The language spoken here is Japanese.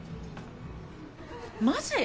マジ？